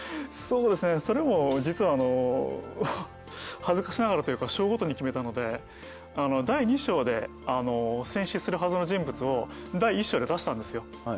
そうですねそれも実は恥ずかしながらというか章ごとに決めたので第２章で戦死するはずの人物を第１章で出したんですよ。